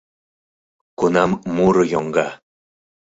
Кунам муро йоҥга